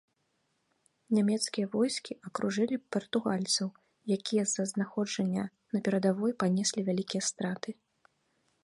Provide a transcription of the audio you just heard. Нямецкія войскі акружылі партугальцаў, якія з-за знаходжання на перадавой панеслі вялікія страты.